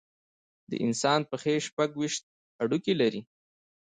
د انسان پښې شپږ ویشت هډوکي لري.